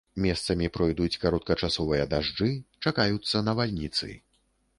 Месцамі пройдуць кароткачасовыя дажджы, чакаюцца навальніцы.